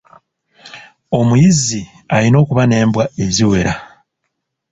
Omuyizzi alina okubeera n'embwa eziwera.